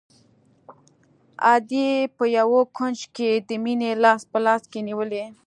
ادې په يوه کونج کښې د مينې لاس په لاس کښې نيولى.